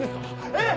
えっ？